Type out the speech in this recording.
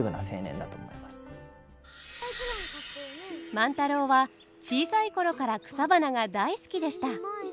万太郎は小さい頃から草花が大好きでした。